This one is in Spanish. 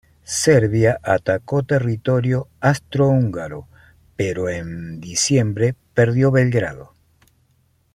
Serbia atacó territorio austrohúngaro, pero en diciembre perdió Belgrado.